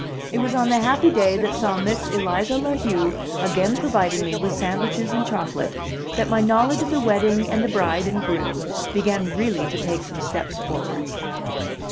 It was on the happy day that saw Miss Eliza La Heu again providing me with sandwiches and chocolate that my knowledge of the wedding and the bride and groom began really to take some steps forward.